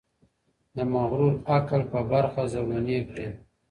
د مغرور عقل په برخه زولنې کړي .